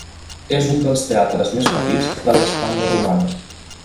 És un dels teatres més petits de la Hispània romana.